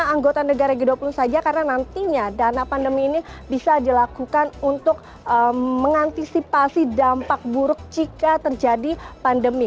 anggota negara g dua puluh saja karena nantinya dana pandemi ini bisa dilakukan untuk mengantisipasi dampak buruk jika terjadi pandemi